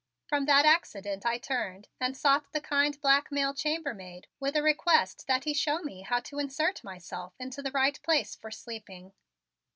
From that accident I turned and sought the kind black male chamber maid with a request that he show me how to insert myself into the right place for sleeping.